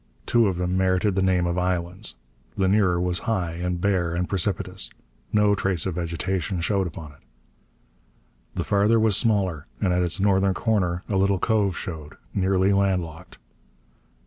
Two of them merited the name of islands. The nearer was high and bare and precipitous. No trace of vegetation showed upon it. The farther was smaller, and at its northern corner a little cove showed, nearly land locked.